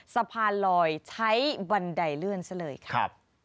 สะพานลอยใช้บันไดเลื่อนซะเลยครับ